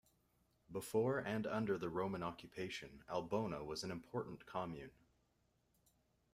Before and under the Roman occupation, Albona was an important commune.